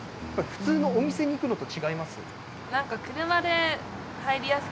普通のお店に行くのと違います？